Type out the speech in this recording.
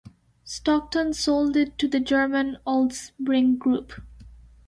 Stockton sold it to the German Holtzbrinck group.